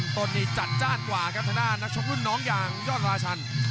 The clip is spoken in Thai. ต้นนี้จัดจ้านกว่าครับทางด้านนักชกรุ่นน้องอย่างยอดราชัน